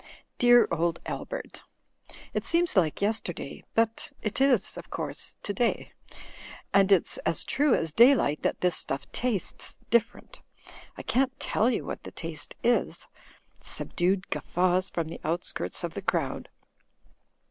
Dear old Albert ! It seems like yesterday! But it is, of course, today. And it's as true as daylight that this stuff tastes differ ent. I can't tell you what the taste is" (subdued guf faws from the outskirts of the crowd).